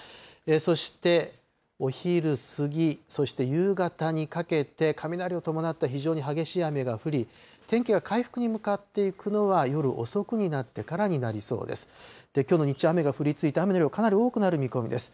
そしてお昼過ぎ、そして夕方にかけて、雷を伴った非常に激しい雨が降り、天気が回復に向かっていくのは夜遅くになってからになりそうです。